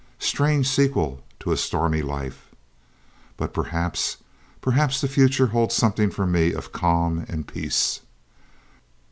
Strange sequel to a stormy life! "But perhaps perhaps, the future holds something for me of calm and peace...."